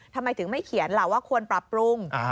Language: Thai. ทำไมถึงไม่เขียนล่ะว่าควรปรับปรุง